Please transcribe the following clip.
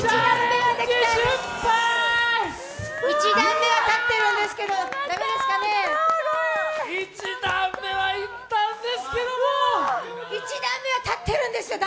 １段目は立ってるんですけど駄目ですかね？